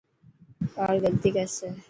ٻاڙ غلطي ڪرسي.